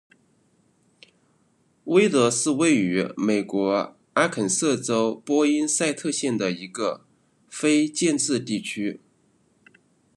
威德是位于美国阿肯色州波因塞特县的一个非建制地区。